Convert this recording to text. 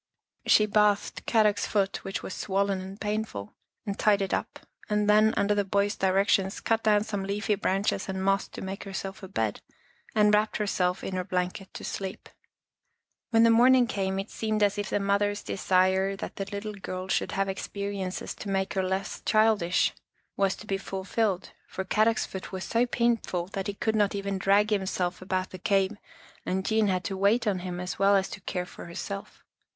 She bathed Kadok's foot, which was swollen and painful, and tied it up, and then, under the boy's direc tions, cut down some leafy branches and moss to make herself a bed, and wrapped herself in her blanket to sleep. When morning came it seemed as if the moth er's desire that the little girl should have ex periences to make her less childish was to be 108 Our Little Australian Cousin fulfilled, for Kadok's foot was so painful that he could not even drag himself about the cave and Jean had to wait on him as well as to care for herself.